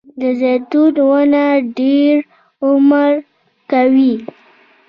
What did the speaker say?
د زیتون ونې ډیر عمر کوي